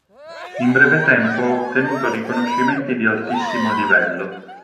In breve tempo ha ottenuto riconoscimenti di altissimo livello.